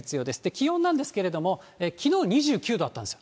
気温なんですけれども、きのう２９度あったんです。